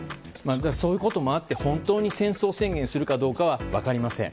そういうこともあって本当に戦争宣言をするかどうかは分かりません。